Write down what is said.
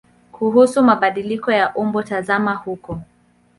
Kuhusu mabadiliko ya umbo tazama huko.